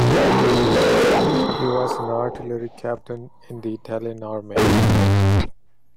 He was an Artillery captain in the Italian Army.